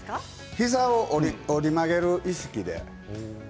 膝を折り曲げる意識で。